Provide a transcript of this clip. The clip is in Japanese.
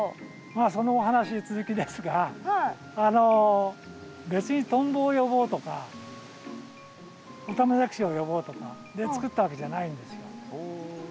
まあそのお話続きですがあの別にトンボを呼ぼうとかオタマジャクシを呼ぼうとかで作ったわけじゃないんですよ。